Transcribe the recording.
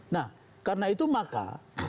nah karena itu maka